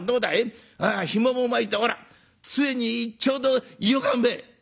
ひもも巻いてほらつえにちょうどよかんべ」。